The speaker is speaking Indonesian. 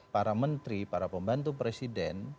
para menteri para pembantu presiden